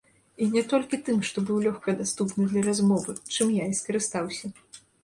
І не толькі тым, што быў лёгка даступны для размовы, чым я і скарыстаўся.